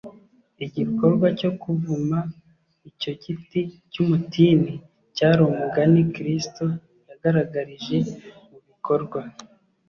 igikorwa cyo kuvuma icyo giti cy’umutini cyari umugani kristo yagaragarije mu bikorwa